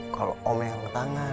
kalo om yang ketangan